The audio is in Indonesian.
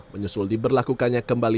menyusul diberlakukannya kembali